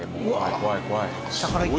怖い怖い。